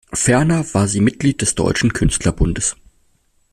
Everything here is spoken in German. Ferner war sie Mitglied des Deutschen Künstlerbundes.